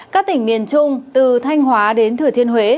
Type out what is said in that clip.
các tỉnh miền trung từ thanh hóa đến thừa thiên huế